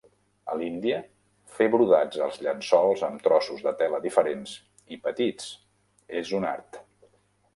A l'Índia, fer brodats als llençols amb trossos de tela diferents i petits és un art.